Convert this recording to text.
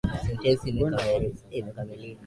Sentensi imekamilika.